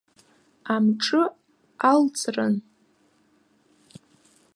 Амҿы алҵрын.